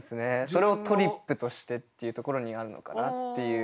それを「トリップとして」っていうところにあるのかなっていう。